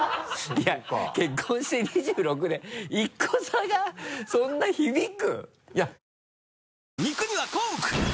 いや結婚して２６年１個差がそんな響く？